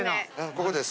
ここです。